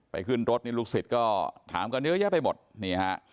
ขึ้นรถนี่ลูกศิษย์ก็ถามกันเยอะแยะไปหมดนี่ฮะ